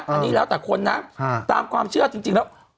อันนี้แล้วแต่คนนะตามความเชื่อจริงแล้ว